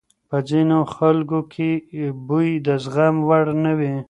په ځینو خلکو کې بوی د زغم وړ نه وي.